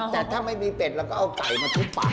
แต่ถ้าไม่มีเป็ดเราก็เอาไก่มาทำปากแบลลละกัน